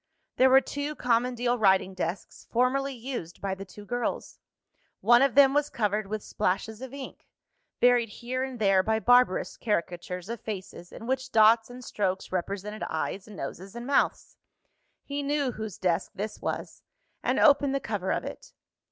There were two common deal writing desks, formerly used by the two girls. One of them was covered with splashes of ink: varied here and there by barbarous caricatures of faces, in which dots and strokes represented eyes, noses, and mouths. He knew whose desk this was, and opened the cover of it.